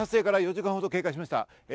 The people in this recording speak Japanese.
火災発生から４時間ほど経過しました。